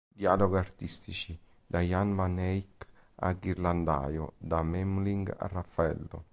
Dialoghi artistici: da Jan van Eyck a Ghirlandaio, da Memling a Raffaello...".